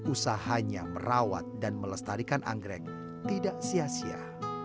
usahanya merawat dan melestarikan anggrek tidak sia sia